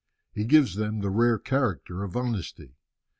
He gives them the rare character of honesty.